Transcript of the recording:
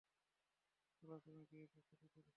পুরোদমে বিয়ের প্রস্তুতি চলছে।